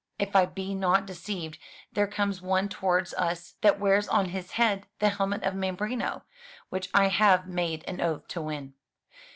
If I be not deceived, there comes one towards us that wears on his head the helmet of Mambrino, which I have made an oath to win.